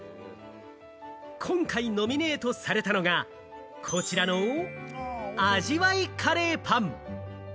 今回ノミネートされたのが、こちらの味わいカレーパン。